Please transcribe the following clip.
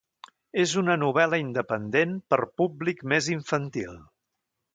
És una novel·la independent per públic més infantil.